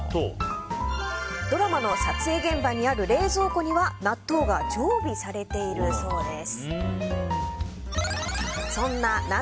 ドラマの撮影現場にある冷蔵庫に納豆が常備されているそうです。